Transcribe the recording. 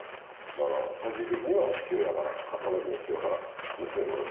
だから最終的には父親から彼女の父親から「娘をもらってくれ」。